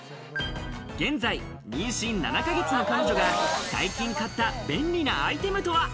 現在、妊娠７か月の彼女が最近買った便利なアイテムとは？